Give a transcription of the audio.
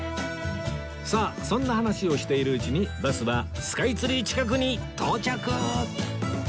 さあそんな話をしているうちにバスはスカイツリー近くに到着